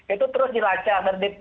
itu terus dilacak